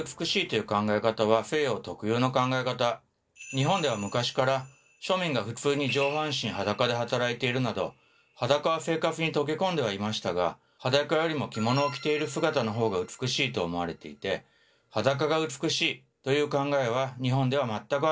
日本では昔から庶民が普通に上半身裸で働いているなど裸は生活に溶け込んではいましたが裸よりも着物を着ている姿のほうが美しいと思われていて「裸が美しい」という考えは日本では全くありませんでした。